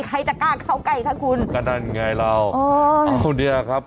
ใครจะกล้าเข้าใกล้คะคุณก็นั่นไงเราอ๋อเอาเนี่ยครับ